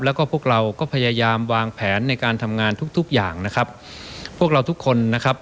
แล้วก็พวกเราก็พยายามวางแผนในการทำงานทุกทุกอย่างนะครับพวกเราทุกคนนะครับ